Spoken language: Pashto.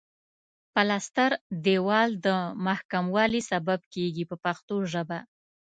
پلستر دېوال د محکموالي سبب کیږي په پښتو ژبه.